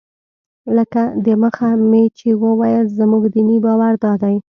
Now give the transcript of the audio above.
لکه دمخه مې چې وویل زموږ دیني باور دادی.